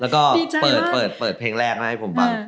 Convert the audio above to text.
แล้วก็เปิดเพลงแรกมาให้ผมฟัง